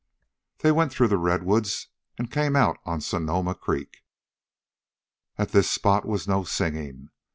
They went through the redwoods and came out on Sonoma Creek. At this spot was no singing.